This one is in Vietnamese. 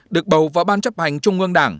được bầu vào ban chấp hành trung ương đảng